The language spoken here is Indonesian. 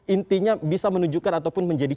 intinya bisa menunjukkan ataupun menjadi